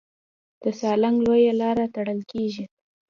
د سالنګ لویه لاره تړل کېږي.